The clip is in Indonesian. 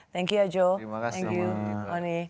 terima kasih sama oli